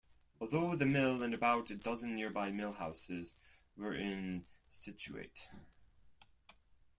Although the mill and about a dozen nearby mill houses were in Scituate.